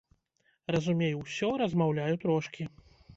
Разумею ўсё, размаўляю трошкі.